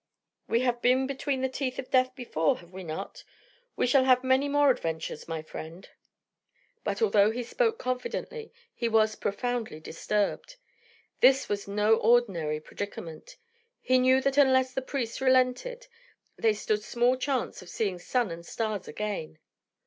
"We have been between the teeth of death before, have we not? We shall have many more adventures, my friends." But although he spoke confidently he was profoundly disturbed. This was no ordinary predicament. He knew that unless the priest relented they stood small chance of seeing sun and stars again.